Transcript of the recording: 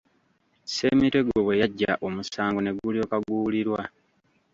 Ssemitego bwe yajja omusango ne gulyoka guwulirwa.